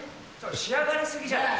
仕上がりすぎじゃない？